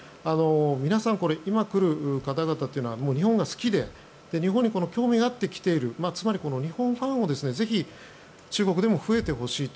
皆さん、今来る方々というのは日本が好きで日本に興味があって来ているつまり日本ファンがぜひ中国でも増えてほしいと。